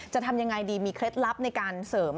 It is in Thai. จะทำยังไงดีมีเคล็ดลับในการเสริม